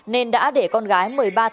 nên đã để con gái một mươi ba tháng